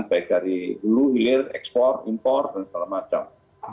baik dari hulu hilir ekspor impor dan segala macam